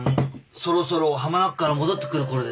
そろそろ浜名湖から戻ってくる頃ですね。